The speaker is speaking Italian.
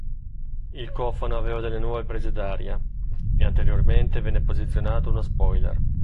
Il cofano aveva delle nuove prese d'aria e anteriormente venne posizionato uno spoiler.